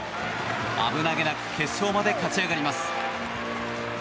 危なげなく決勝まで勝ち上がります。